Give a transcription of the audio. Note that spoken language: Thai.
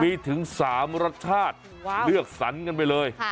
มีถึง๓รสชาติเลือกสรรกันไปเลย